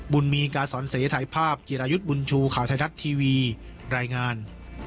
บุญมีกาสอนเสถ่ายภาพจิรายุทธ์บุญชูข่าวไทยรัฐทีวีรายงาน